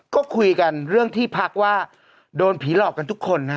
ก็คุยกันเรื่องที่พักว่าโดนผีหลอกกันทุกคนนะฮะ